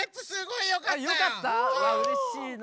いやうれしいな。